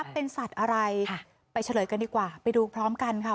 เป็นสัตว์อะไรไปเฉลยกันดีกว่าไปดูพร้อมกันค่ะ